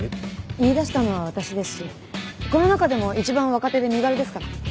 言い出したのは私ですしこの中でも一番若手で身軽ですから。